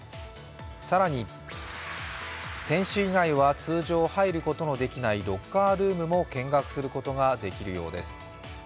更に、選手以外は通常入ることのできないロッカールームも見学することができるそうです。